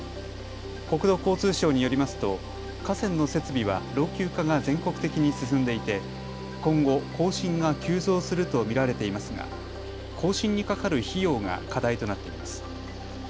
国土交通省によりますと河川の設備は老朽化が全国的に進んでいて今後、更新が急増すると見られていますが更新にかかる費用が課題となっています。